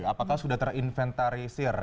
apakah sudah terinventarisir